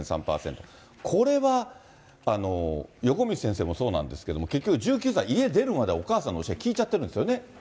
これは横道先生もそうなんですけども、結局、１９歳、家出るまで、お母さんの教え聞いちゃってるんですよね。